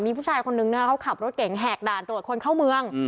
มีผู้ชายคนนึงเขาขับรถเก่งแหกด่านตรวจคนเข้าเมือง